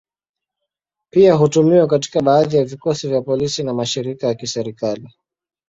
Pia hutumiwa katika baadhi ya vikosi vya polisi na mashirika ya kiserikali.